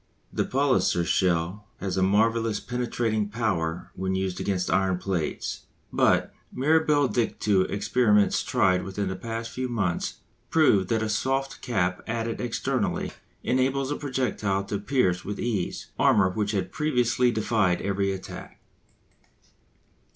The Palliser shell has a marvellous penetrating power when used against iron plates. But, mirabile dictu! experiments tried within the past few months prove that a soft cap added externally enables a projectile to pierce with ease armour which had previously defied every attack.